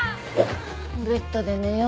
ベッドで寝よう。